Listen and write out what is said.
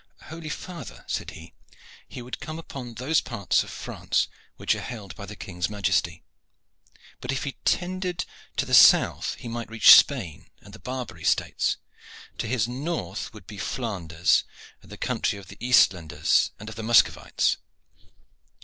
"Holy father," said he, "he would come upon those parts of France which are held by the King's Majesty. But if he trended to the south he might reach Spain and the Barbary States. To his north would be Flanders and the country of the Eastlanders and of the Muscovites."